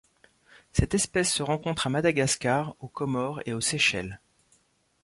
Cette espèce se rencontre à Madagascar, aux Comores et aux Seychelles.